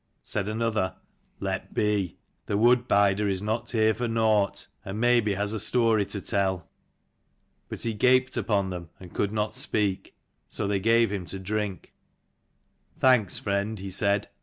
Said another, "Let be: the wood bider is 290 not here for nought, and maybe has a story to tell." But he gaped upon them and could not speak. So they gave him to drink. "Thanks, friend," he said.